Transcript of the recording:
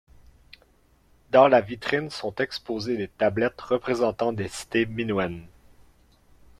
Dans la vitrine sont exposées des tablettes représentant des cités minoennes.